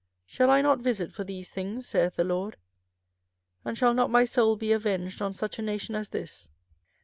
24:005:009 Shall I not visit for these things? saith the LORD: and shall not my soul be avenged on such a nation as this?